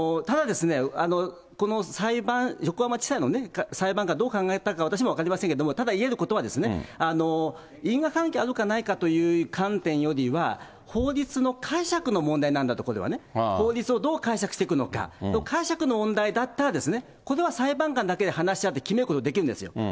ただですね、この横浜地裁の裁判官、どう考えたか私も分かりませんけれども、ただ言えることは、因果関係あるかないかという観点よりは、法律の解釈の問題なんだと、これはね、法律をどう解釈していくか、解釈の問題だったら、これは裁判官だけで話し合って決めることできるんですよ。